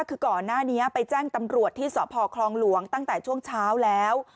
คือก่อนหน้านี้ไปแจ้งตำรวจที่สพคลองหลวงตั้งแต่ช่วงเช้าแล้ว